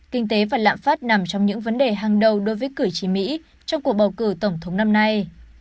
kinh tế và lạm phát nằm trong những vấn đề hàng đầu đối với cử tri mỹ trong cuộc bầu cử tổng thống năm nay